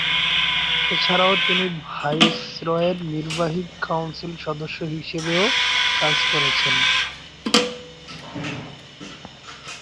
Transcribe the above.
এছাড়াও তিনি ভাইসরয়ের নির্বাহী কাউন্সিল সদস্য হিসেবেও কাজ করেছেন।